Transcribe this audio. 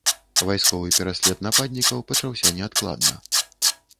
Вайсковы пераслед нападнікаў пачаўся неадкладна.